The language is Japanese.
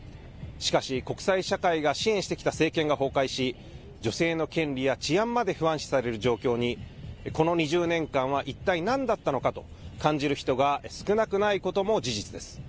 しかし、国際社会が支援してきた政権が崩壊し、女性の権利や治安まで不安視される状況に、この２０年間は、一体なんだったのかと感じる人が少なくないことも事実です。